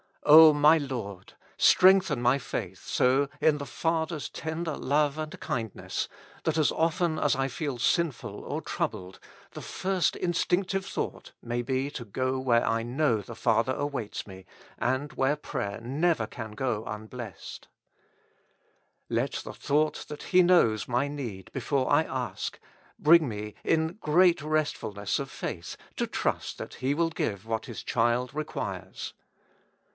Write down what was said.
O my Lord ! strengthen my faith so in the Father's tender love and kindness, that as often as I feel sinful or troubled , the first instinctive thought may be to go where I know the Father waits me, and where prayer never can go unblessed. Let the thought that He knows my need before I ask, bring me, in great restfulness of faith, to trust that He will give what His child requires.